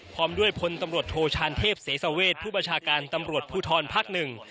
พร้อมด้วยพนธุ์ตำรวจโทชานเทพเสสาเวทผู้บัชการตำรวจผู้ทอนภักดิ์หนึ่ง